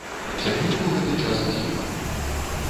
Цягнік у гэты час з'ехаў.